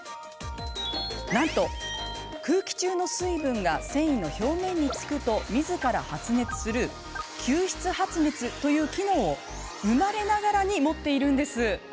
なんと、空気中の水分が繊維の表面につくとみずから発熱する吸湿発熱という機能を生まれながらに持っているんです。